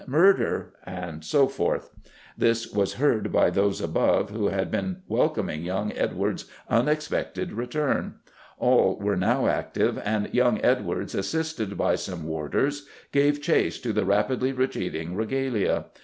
Murder!" and so forth. This was heard by those above who had been welcoming young Edwards' unexpected return. All were now active, and young Edwards, assisted by some warders, gave chase to the rapidly retreating regalia.